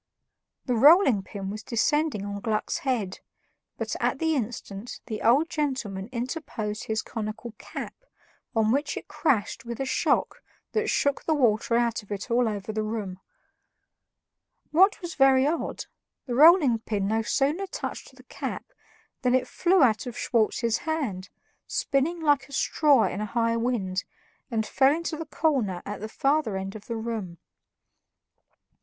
The rolling pin was descending on Gluck's head, but, at the instant, the old gentleman interposed his conical cap, on which it crashed with a shock that shook the water out of it all over the room. What was very odd, the rolling pin no sooner touched the cap than it flew out of Schwartz's hand, spinning like a straw in a high wind, and fell into the corner at the further end of the room.